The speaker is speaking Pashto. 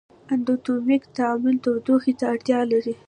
اندوترمیک تعامل تودوخې ته اړتیا لري.